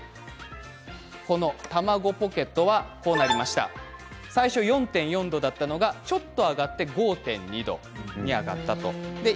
卵ポケットは最初４．４度だったのがちょっと上がって５．２度に上がったと。